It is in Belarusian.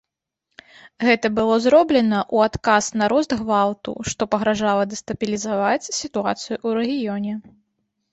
Гэта было зроблена ў адказ на рост гвалту, што пагражала дэстабілізаваць сітуацыю ў рэгіёне.